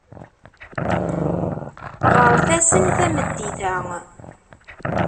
Ɣret-asen tameddit-a.